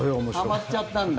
はまっちゃったんだ。